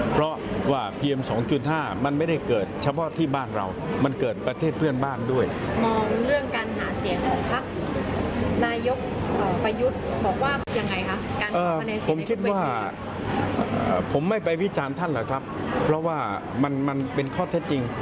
เพราะว่าเค้าคิดเวียพักเฉพาะกิจก็เป็นข้อเท็จจริง